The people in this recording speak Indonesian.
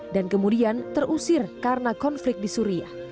dan kemudian terusir karena konflik di suria